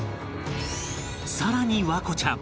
更に環子ちゃん